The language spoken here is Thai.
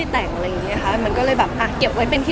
ใช่เพราะว่าก็ยังไม่มีใครเคยเห็นอะค่ะ